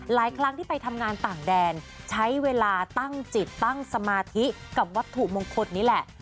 ครั้งที่ไปทำงานต่างแดนใช้เวลาตั้งจิตตั้งสมาธิกับวัตถุมงคลนี้แหละ